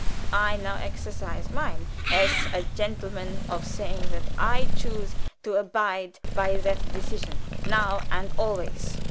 I now exercise mine, as a gentleman, of saying that I choose to abide by that decision, now and always."